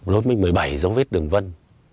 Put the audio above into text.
lối một mươi bảy dấu vết đường vân